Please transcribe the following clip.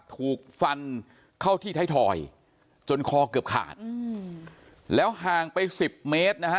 ถูกฟันเข้าที่ไทยทอยจนคอเกือบขาดแล้วห่างไปสิบเมตรนะฮะ